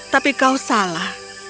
tapi kau salah